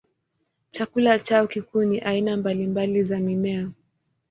Chakula chao kikuu ni aina mbalimbali za mimea.